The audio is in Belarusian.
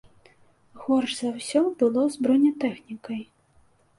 Горш за ўсё было з бронетэхнікай.